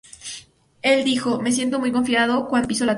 Él dijo: "Me siento muy confiado cuando piso la tierra.